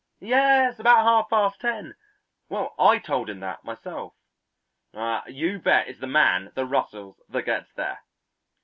"Yes, about half past ten!" "Well, I told him that myself!" "Ah, you bet it's the man that rustles that gets there."